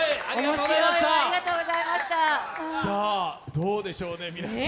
どうでしょうね、皆さん。